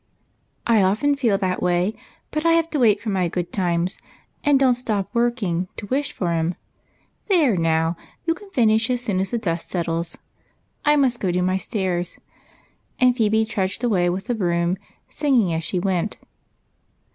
" I often feel that way, but I have to wait for my good times, and don't stop working to wish for 'em. There, now you can finish as soon as the dust settles ; I must go do my stairs," and Phebe trudged away with the broom, singing as she went.